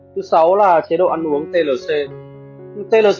thứ sáu là chế độ ăn uống tlc